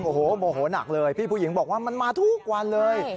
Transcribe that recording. โอ้โหโมโหนักเลยพี่ผู้หญิงบอกว่ามันมาทุกวันเลย